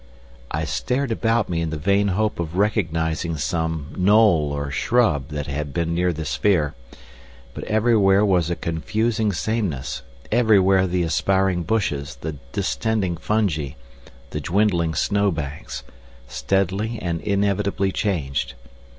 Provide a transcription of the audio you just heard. I stared about me in the vain hope of recognising some knoll or shrub that had been near the sphere. But everywhere was a confusing sameness, everywhere the aspiring bushes, the distending fungi, the dwindling snow banks, steadily and inevitably changed.